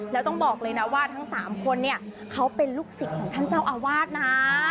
แล้วต้องบอกเลยนะว่าทั้ง๓คนเนี่ยเขาเป็นลูกศิษย์ของท่านเจ้าอาวาสนะ